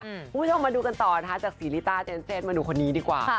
คุณผู้ชมมาดูกันต่อนะคะจากศรีริต้าเจนเซตมาดูคนนี้ดีกว่า